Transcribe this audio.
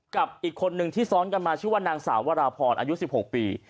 กับอีกคนนึงที่ซ้อนกันมาชื่อว่านางสาววราพรอายุ๑๖ปี